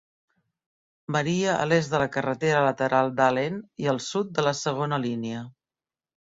Maria a l'est de la carretera lateral d'Allen i al sud de la Segona Línia.